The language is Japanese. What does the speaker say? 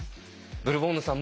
ブルボンヌさん